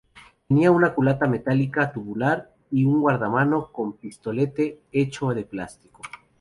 Tenía una culata metálica tubular y un guardamano con pistolete hecho de plástico.